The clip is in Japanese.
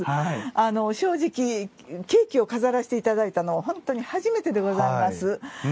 正直、ケーキを飾らせていただいたのは本当に初めてでございます。